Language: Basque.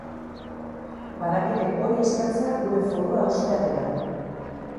Badakite hori eskatzea gure forua haustea dela.